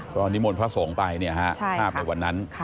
ก็นิมนต์พระสงฆ์ไปภาพในวันนั้น